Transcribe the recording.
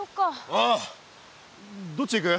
ああどっち行く？